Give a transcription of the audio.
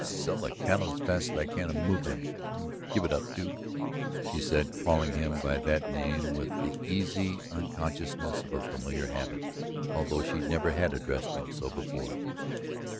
"I'm going to sell the cattle as fast as I can move them, and give it up, Duke," she said, calling him by that name with the easy unconsciousness of a familiar habit, although she never had addressed him so before.